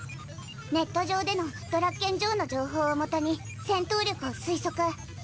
ネット上でのドラッケン・ジョーの情報を基に戦闘力を推測。